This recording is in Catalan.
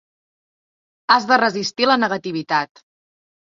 Has de resistir la negativitat.